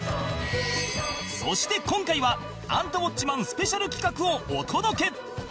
そして今回は『アンタウォッチマン！』スペシャル企画をお届け